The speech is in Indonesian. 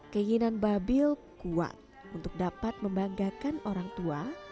keinginan babil kuat untuk dapat membanggakan orang tua